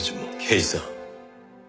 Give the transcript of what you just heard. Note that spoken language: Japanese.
刑事さん。